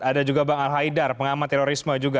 ada juga bang al haidar pengamat terorisme juga